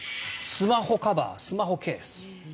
スマホカバー、スマホケース。